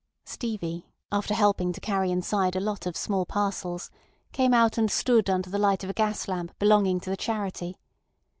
Stevie, after helping to carry inside a lot of small parcels, came out and stood under the light of a gas lamp belonging to the Charity.